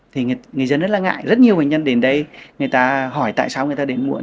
thì người dân rất là ngại rất nhiều bệnh nhân đến đây người ta hỏi tại sao người ta đến muộn